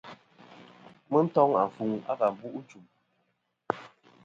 Mɨ toŋ àfuŋ a v̀ bu' nchum.